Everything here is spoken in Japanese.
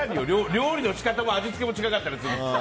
料理の仕方も味付も違かったりするから。